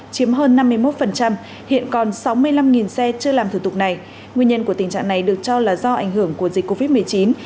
chiếm hơn năm mươi một hiện còn sáu mươi năm xe chưa làm thủ tục này nguyên nhân của tình trạng này được cho là do ảnh hưởng của dịch covid một mươi chín